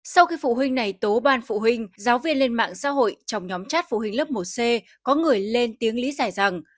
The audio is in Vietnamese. sau khi phụ huynh này tố ban phụ huynh giáo viên lên mạng xã hội trong nhóm chát phụ huynh lớp một c có người lên tiếng lý giải rằng